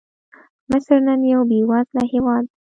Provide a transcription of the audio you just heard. مصر نن یو بېوزله هېواد دی.